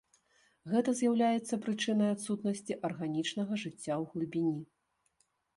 Гэта з'яўляецца прычынай адсутнасці арганічнага жыцця ў глыбіні.